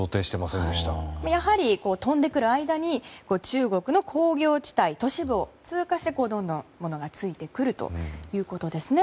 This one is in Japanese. やはり飛んでくる間に中国の工業地帯都市部を通過してどんどんものがついてくるということですね。